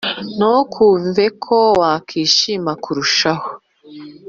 ntukumve ko wakwishima kurushaho